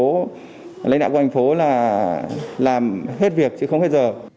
lấy lại công an thành phố là làm hết việc chứ không hết giờ